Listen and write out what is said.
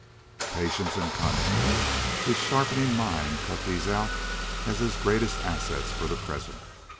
Patience and cunning! His sharpening mind cut these out as his greatest assets for the present.